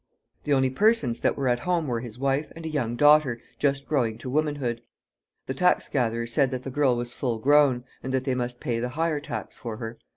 The only persons that were at home were his wife and a young daughter just growing to womanhood. The tax gatherer said that the girl was full grown, and that they must pay the higher tax for her.